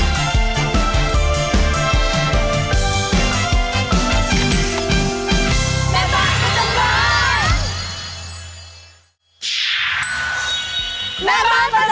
ตัวดีครับ